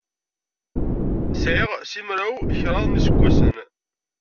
Sɛiɣ simraw-kraḍ n yiseggasen.